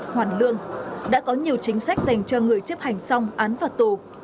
hoàn lương đã có nhiều chính sách dành cho người chấp hành xong án phạt tù